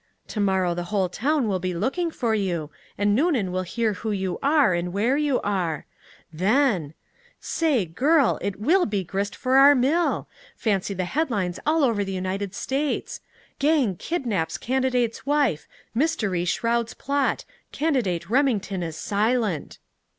Tomorrow the whole town will be looking for you, and Noonan will hear who you are and where you are. Then! Say, girl say, girl, it will be grist for our mill! Fancy the headlines all over the United States: 'GANG KIDNAPS CANDIDATE'S WIFE MYSTERY SHROUDS PLOT CANDIDATE REMINGTON IS SILENT.'"